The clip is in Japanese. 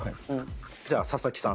じゃあ佐々木さん